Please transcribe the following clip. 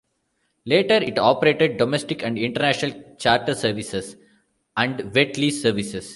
Later it operated domestic and international charter services and wet lease services.